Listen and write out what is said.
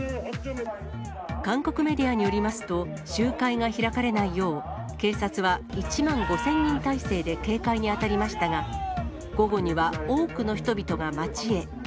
韓国メディアによりますと、集会が開かれないよう、警察は１万５０００人態勢で警戒に当たりましたが、午後には多くの人々が街へ。